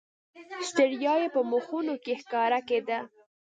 ستړیا یې په مخونو کې ښکاره کېده.